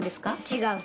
違う。